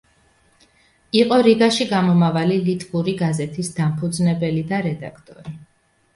იყო რიგაში გამომავალი ლიტვური გაზეთის დამფუძნებელი და რედაქტორი.